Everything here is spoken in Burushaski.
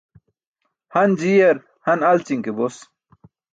Han ji̇yar han alći̇n ke bos.